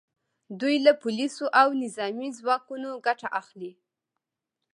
دوی له پولیسو او نظامي ځواکونو ګټه اخلي